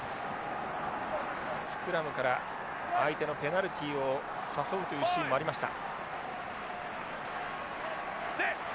スクラムから相手のペナルティを誘うというシーンもありました。